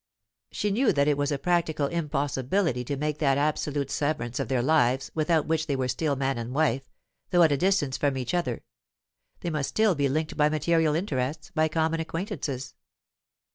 She knew that it was a practical impossibility to make that absolute severance of their lives without which they were still man and wife, though at a distance from each other; they must still be linked by material interests, by common acquaintances.